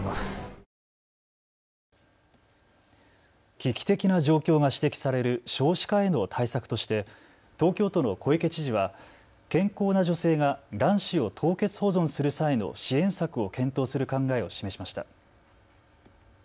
危機的な状況が指摘される少子化への対策として東京都の小池知事は健康な女性が卵子を凍結保存する際の支援策を検討する考えを示しました。